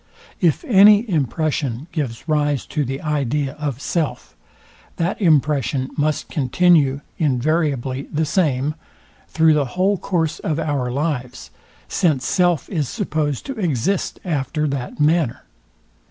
If any impression gives rise to the idea of self, that impression must continue invariably the same, through the whole course of our lives; since self is supposed to exist after that manner.